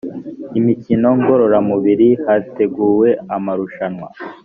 imikino ngororamubiri hateguwe amarushanwa